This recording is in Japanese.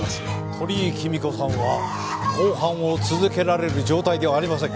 鳥居貴美子さんは公判を続けられる状態ではありません。